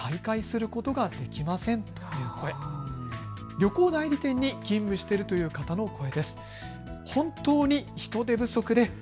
旅行代理店に勤務しているという方の声です。